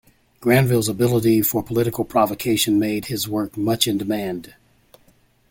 Grandville's ability for political provocation made his work much in demand.